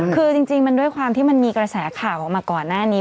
คือจริงมันด้วยความที่มันมีกระแสข่าวออกมาก่อนหน้านี้